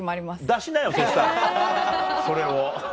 出しなよそしたらそれを。